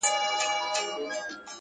زه احسان د سپلنیو پر ځان نه وړم,